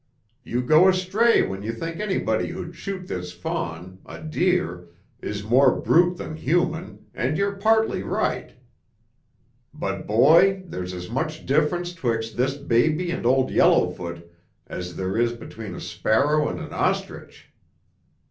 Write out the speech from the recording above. You go astray when you think anybody who'd shoot this fawn, a deer, is more brute than human and you're partly right. But, Boy, there's as much difference 'twixt this baby and Old Yellowfoot as there is between a sparrow and an ostrich!"